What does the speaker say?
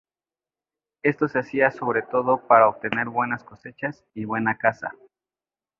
Esto se hacía sobre todo para obtener buenas cosechas y buena caza.